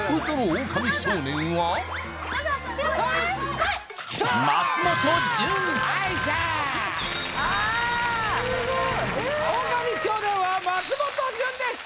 オオカミ少年は松本潤でした！